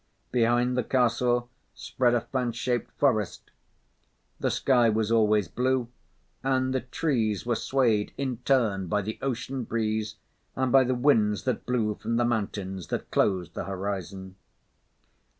Behind the castle spread a fan shaped forest. The sky was always blue, and the trees were swayed in turn by the ocean breeze and by the winds that blew from the mountains that closed the horizon.